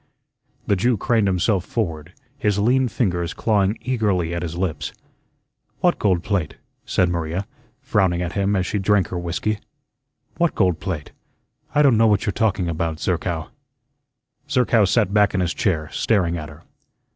The Jew craned himself forward, his lean fingers clawing eagerly at his lips. "What gold plate?" said Maria, frowning at him as she drank her whiskey. "What gold plate? I don' know what you're talking about, Zerkow." Zerkow sat back in his chair, staring at her.